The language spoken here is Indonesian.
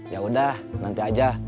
yaudah nanti aja